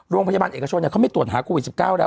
โรงพยาบาลเอกชนเนี่ยเขาไม่ตรวจหาโควิด๑๙